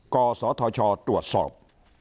กศธตรวจส่อง